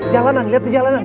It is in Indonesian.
jalanan lihat nih jalanan